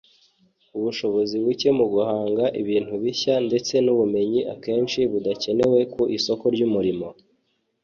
ubushobozi buke mu guhanga ibintu bishya ndetse n’ubumenyi akenshi budakenewe ku isoko ry’umurimo